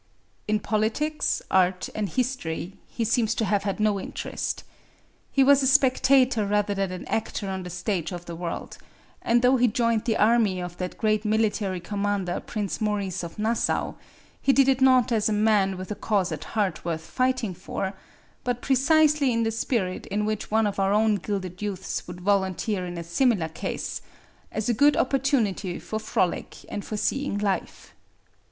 In politics, art, and history he seems to have had no interest. He was a spectator rather than an actor on the stage of the world; and though he joined the army of that great military commander Prince Maurice of Nassau, he did it not as a man with a cause at heart worth fighting for, but precisely in the spirit in which one of our own gilded youths would volunteer in a similar case, as a good opportunity for frolic and for seeing life.